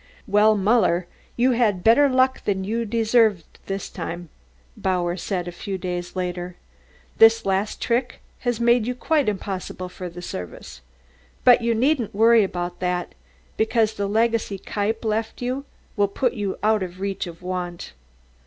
"Well, Muller, you had better luck than you deserved this time," Bauer said a few days later. "This last trick has made you quite impossible for the service. But you needn't worry about that, because the legacy Kniepp left you will put you out of reach of want."